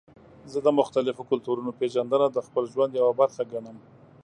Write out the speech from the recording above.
زه د مختلفو کلتورونو پیژندنه د خپل ژوند یوه برخه ګڼم.